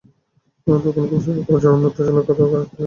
তখনকার অস্থিরতা ও চরম উত্তেজনার কথা খালিদের মনে ছিল।